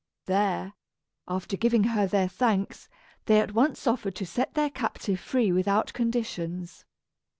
There, after giving her their thanks, they at once offered to set their captive free without conditions.